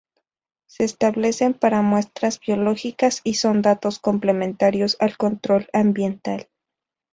Se establecen para muestras biológicas y son datos complementarios al control ambiental.